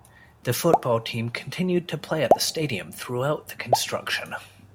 The football team continued to play at the stadium throughout the construction.